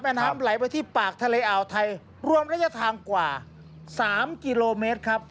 น้ำไหลไปที่ปากทะเลอ่าวไทยรวมระยะทางกว่าสามกิโลเมตรครับ